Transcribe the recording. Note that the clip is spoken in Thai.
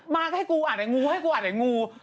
มาให้กูอ่านเดี๋ยวงูให้กูอ่านไหนงู